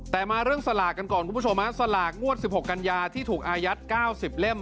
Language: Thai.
แต่มาเรื่องสลากกันก่อนคุณผู้ชมฮะสลากงวด๑๖กันยาที่ถูกอายัด๙๐เล่ม